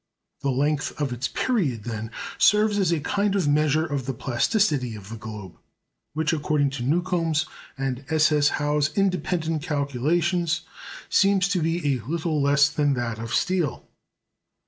The length of its period, then, serves as a kind of measure of the plasticity of the globe; which, according to Newcomb's and S. S. Hough's independent calculations, seems to be a little less than that of steel.